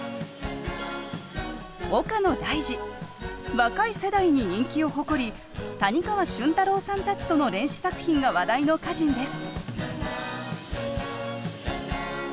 若い世代に人気を誇り谷川俊太郎さんたちとの連詩作品が話題の歌人です。